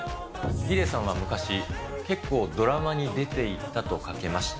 ヒデさんは昔、結構、ドラマに出ていたとかけまして、